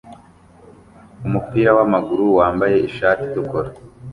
Umupira wamaguru wambaye ishati itukura